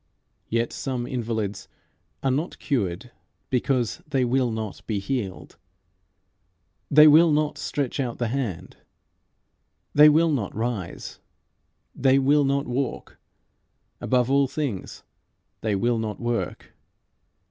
Yet some invalids are not cured because they will not be healed. They will not stretch out the hand; they will not rise; they will not walk; above all things, they will not work.